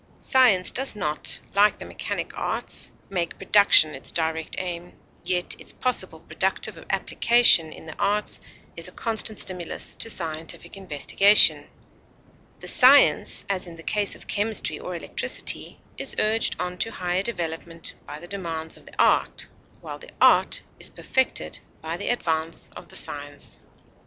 Science does not, like the mechanic arts, make production its direct aim, yet its possible productive application in the arts is a constant stimulus to scientific investigation; the science, as in the case of chemistry or electricity, is urged on to higher development by the demands of the art, while the art is perfected by the advance of the science.